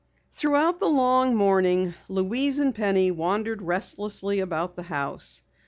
Throughout the long morning Louise and Penny wandered restlessly about the house.